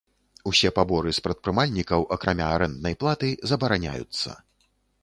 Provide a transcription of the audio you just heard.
Усе паборы з прадпрымальнікаў, акрамя арэнднай платы, забараняюцца.